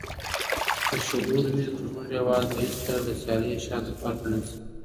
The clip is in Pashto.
که شعور وي، نو زموږ هېواد به هيڅکله له سيالۍ شاته پاته نسي.